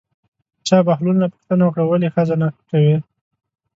چا بهلول نه پوښتنه وکړه ولې ښځه نه کوې.